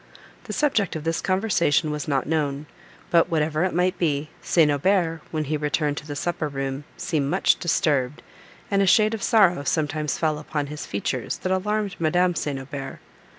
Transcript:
The subject of this conversation was not known; but, whatever it might be, St. Aubert, when he returned to the supper room, seemed much disturbed, and a shade of sorrow sometimes fell upon his features that alarmed Madame St. Aubert.